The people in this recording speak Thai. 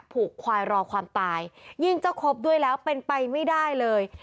ผูกควายรอความตายยิ่งเจ้าครบด้วยแล้วเป็นไปไม่ได้เลย